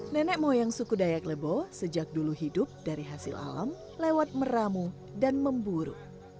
nenek moyang suku dayak lebo sejak dulu hidup dari hasil alam lewat meramu dan memburu